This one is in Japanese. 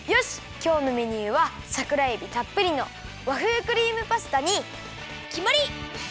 きょうのメニューはさくらえびたっぷりの和風クリームパスタにきまり！